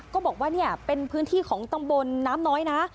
ก็บอกว่าเนี่ยเป็นพื้นที่ของตำบลน้ำน้อยนะ